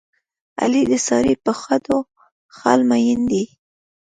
علي د سارې په خدو خال مین دی.